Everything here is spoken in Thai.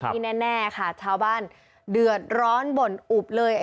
แน่ค่ะชาวบ้านเดือดร้อนบ่นอุบเลย